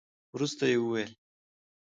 وروسته يې وويل.